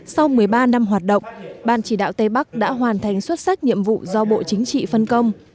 sau một mươi ba năm hoạt động ban chỉ đạo tây bắc đã hoàn thành xuất sắc nhiệm vụ do bộ chính trị phân công